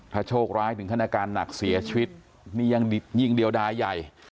ถ้าโชคร้ายถึงขั้นอาการหนักเสียชีวิตนี่ยังยิงเดียวดายใหญ่